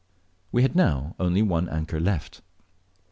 We had now only one anchor left.